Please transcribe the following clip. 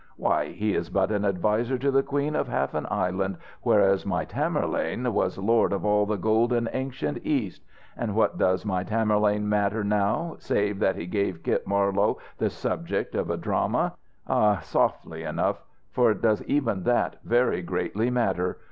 Why, he is but an adviser to the queen of half an island, whereas my Tamburlaine was lord of all the golden ancient East: and what does my Tamburlaine matter now, save that he gave Kit Marlowe the subject of a drama? Hah, softly though! for does even that very greatly matter?